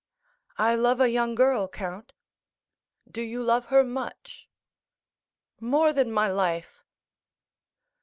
"I love a young girl, count." "Do you love her much?" "More than my life."